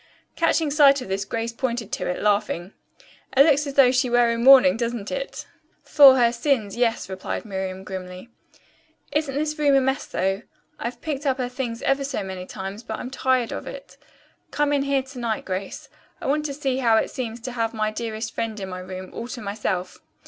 Catching sight of this Grace pointed to it, laughing. "It looks as though she were in mourning, doesn't it?" "For her sins, yes," replied Miriam grimly. "Isn't this room a mess, though? I've picked up her things ever so many times, but I'm tired of it. Come in here to night, Grace. I want to see how it seems to have my dearest friend in my room, all to myself."